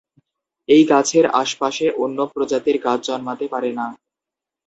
এই গাছের আশপাশে অন্য প্রজাতির গাছ জন্মাতে পারে না।